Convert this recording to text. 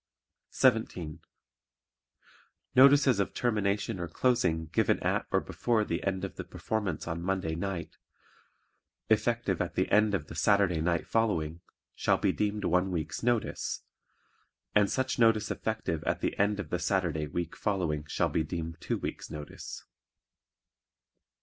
17. Notices of termination or closing given at or before the end of the performance on Monday night, effective at the end of the Saturday night following, shall be deemed one week's notice and such notice effective at the end of the Saturday week following shall be deemed two weeks' notice.